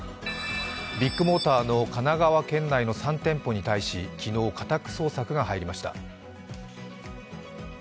ビッグモーターの神奈川県内の３店舗に対し昨日、家宅捜索が入りました。